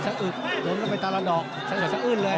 สะอืดโดนไปตราละโดกสะอืดเลย